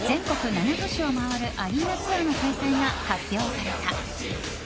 ７都市を回るアリーナツアーの開催が発表された。